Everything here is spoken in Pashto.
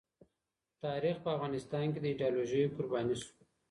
تاریخ په افغانستان کې د ایډیالوژیو قرباني سو.